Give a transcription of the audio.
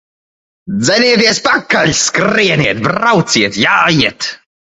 Dzenieties pakaļ! Skrieniet, brauciet, jājiet!